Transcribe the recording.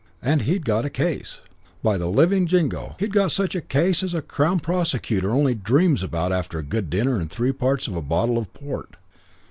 And he'd got a case! By the living Jingo, he'd got such a case as a Crown prosecutor only dreams about after a good dinner and three parts of a bottle of port.